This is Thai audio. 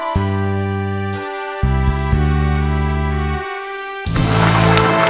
กว่าเกร็ติเมียกี่